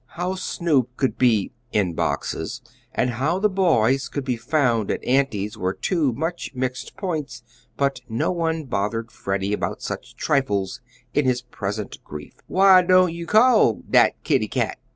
How Snoop could be "in boxes" and how the boys could be found at Auntie's were two much mixed points, but no one bothered Freddie about such trifles in his present grief. "Why doan you call dat kitty cat?"